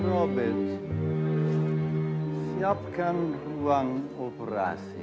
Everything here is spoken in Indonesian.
robert siapkan ruang operasi